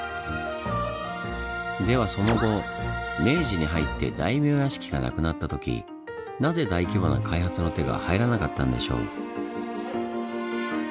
ではその後明治に入って大名屋敷がなくなった時なぜ大規模な開発の手が入らなかったんでしょう？